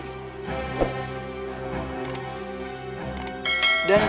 dan itu semua terbukti